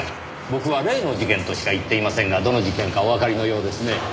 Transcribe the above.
僕は例の事件としか言っていませんがどの事件かおわかりのようですね。